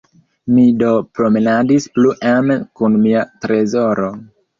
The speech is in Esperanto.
Mi do promenadis pluen kun mia trezoro.